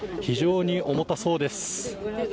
非常に重たそうです。